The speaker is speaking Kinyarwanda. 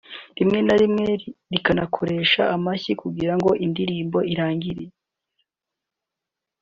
Rimwe na rimwe rikanakoresha amashyi kugera indirimbo irangiye